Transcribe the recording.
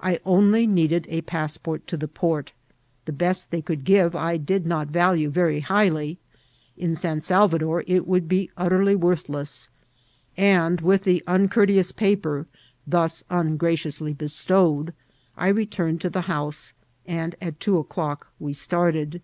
I <»ily needed a passport to the portr— the best they could give I did not value very highly — ^in San Salvador it would be utter ly worthless ; and with the unoourteous paper thus un graciously bestowed, I returned to the house, and at XAKI OF AMATITAN. 911 two o'clock we started.